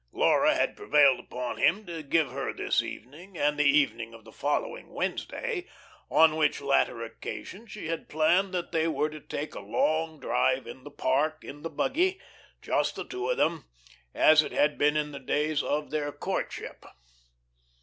Laura had prevailed upon him to give her this evening and the evening of the following Wednesday on which latter occasion she had planned that they were to take a long drive in the park in the buggy, just the two of them, as it had been in the days of their courtship.